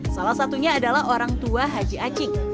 salah satunya adalah orang tua haji acik